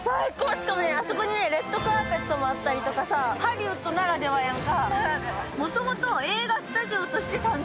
しかもあそこにレッドカーペットがあったりとか、ハリウッドならではやんか！